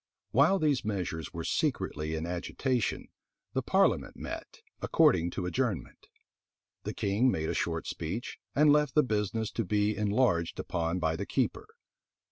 While these measures were secretly in agitation, the parliament met, according to adjournment. The king made a short speech, and left the business to be enlarged upon by the keeper.